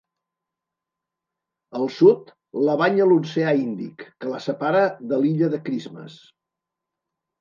Al sud, la banya l'oceà Índic, que la separa de l'illa de Christmas.